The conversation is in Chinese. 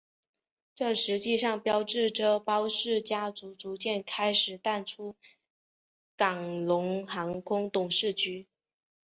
这实际上标志着包氏家族逐渐开始淡出港龙航空董事局。